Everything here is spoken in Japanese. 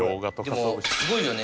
でもすごいよね。